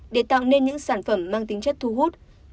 để tạo nên những sản phẩm mang tính chất thu hút